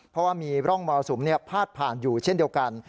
เพราะว่ามีร่องมรสุมพาดผ่านอยู่เช่นเดียวกัน